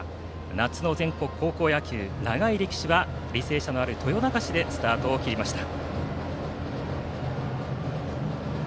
夏の全国高校野球の長い歴史は履正社のある豊中市でスタートを切りました。